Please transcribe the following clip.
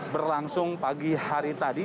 berlangsung pagi hari tadi